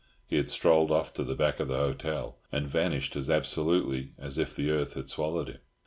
He had strolled off to the back of the hotel, and vanished as absolutely as if the earth had swallowed him.